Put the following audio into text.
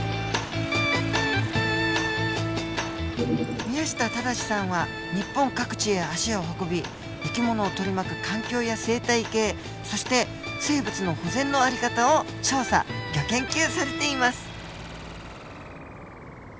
宮下直さんは日本各地へ足を運び生き物を取り巻く環境や生態系そして生物の保全の在り方を調査ギョ研究されています。